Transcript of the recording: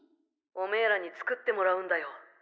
オメーらに作ってもらうんだよ。